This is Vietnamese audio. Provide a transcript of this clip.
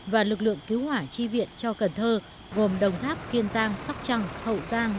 và lực lượng cứu hỏa chi viện cho cần thơ gồm đồng tháp kiên giang sóc trăng hậu giang